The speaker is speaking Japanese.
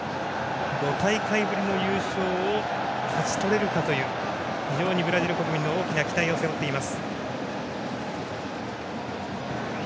５大会ぶりの優勝を勝ち取れるかという非常にブラジル国民の大きな期待を背負っています。